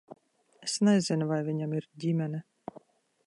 Es nezinu, vai viņam ir ģimene.